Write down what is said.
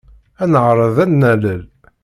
Ad neɛreḍ ad d-nalel.